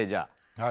はい。